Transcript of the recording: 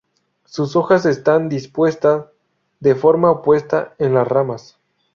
Sus hojas están dispuestas de forma opuesta en las ramas.